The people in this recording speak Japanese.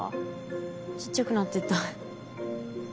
ちっちゃくなってった。